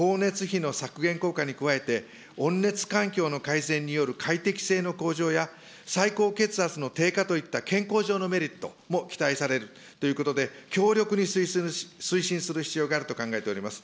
住宅の断熱性能の向上などによる省エネ化は光熱費の削減効果に加え、温熱環境の改善による快適性の向上や、最高血圧の低下といった健康上のメリットも期待されるということで、強力に推進する必要があると考えております。